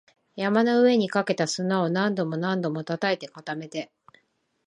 山の上にかけた砂を何度も何度も叩いて、固めて